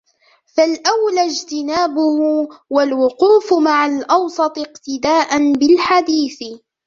فَالْأَوْلَى اجْتِنَابُهُ وَالْوُقُوفُ مَعَ الْأَوْسَطِ اقْتِدَاءً بِالْحَدِيثِ